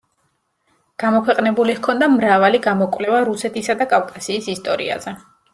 გამოქვეყნებული ჰქონდა მრავალი გამოკვლევა რუსეთისა და კავკასიის ისტორიაზე.